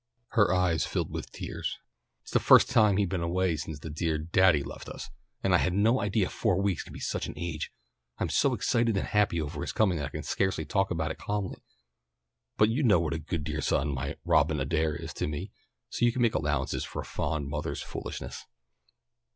Her eyes filled with tears. "It's the first time he's been away since the dear 'Daddy' left us, and I had no idea four weeks could be such an age. I'm so excited and happy over his coming that I can scarcely talk about it calmly. But you know what a dear good son my 'Robin Adair' is to me, so you can make allowances for a fond mother's foolishness."